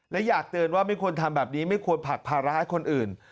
และอยากเตือนว่าไม่ควรทำแบบนี้ไม่ควรผลักภาระให้คนอื่น